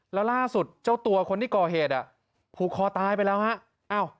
แล้วล่าสุดเจ้าตัวคนที่ก่อเหตุผูกคอตายไปแล้วฮะ